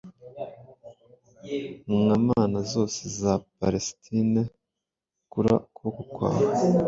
mwa mana zose za Palesitine, kura ukuboko kwawe!